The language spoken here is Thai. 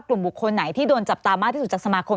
กลุ่มบุคคลไหนที่โดนจับตามากที่สุดจากสมาคม